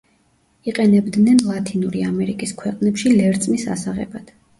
იყენებდნენ ლათინური ამერიკის ქვეყნებში ლერწმის ასაღებად.